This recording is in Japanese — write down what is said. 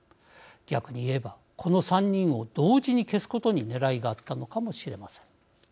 逆に言えば、この３人を同時に消すことにねらいがあったのかもしれません。